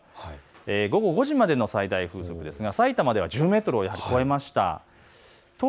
午後５時までの最大風速さいたまでは１０メートルを超えました。